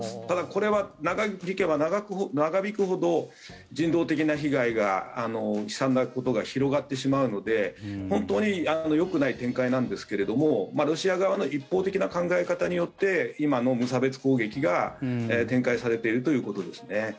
ただ、これは長引けば長引くほど人道的な被害が悲惨なことが広がってしまうので本当によくない展開なんですけれどもロシア側の一方的な考え方によって今の無差別攻撃が展開されているということです。